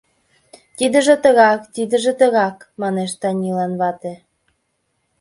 — Тидыже тыгак, тидыже тыгак, — манеш Танилан вате.